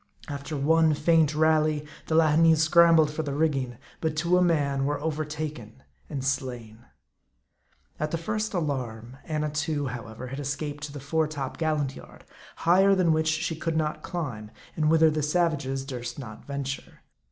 After one faint rally, the Lahineese scrambled for the rigging ; but to a man were overtaken and slain. At the first alarm, Annatoo, however, had escaped to the fore top gallant yard, higher than which she could not climb, and whither the savages durst not venture.